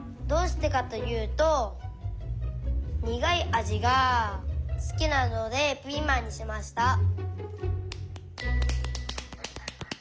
どうしてかというとにがいあじがすきなのでピーマンにしました。